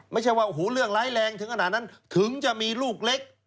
ไม่ใช่ว่าโอ้โหเรื่องร้ายแรงถึงขนาดนั้นถึงจะมีลูกเล็ก